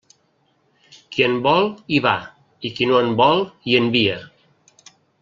Qui en vol, hi va; i qui no en vol, hi envia.